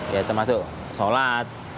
ya termasuk sholat